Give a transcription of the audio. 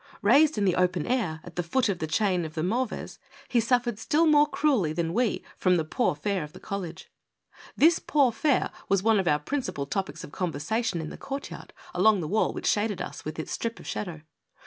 Eaised in the open air, at the foot of the chain of the Mauves, he suffered still more cruelly than we from the poor fare of the college. BIG MICHU. 315 This poor fare was one of our principal topics of con versation in the court yard, along the wall which shaded us with its strip of shadow.